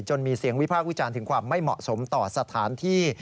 มีเสียงวิพากษ์วิจารณ์ถึงความไม่เหมาะสมต่อสถานที่